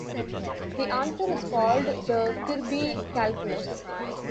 The answer is called the Kirby calculus.